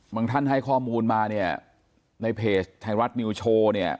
บางท่านให้ข้อมูลมาในเพจไทยรัฐมิวโชว์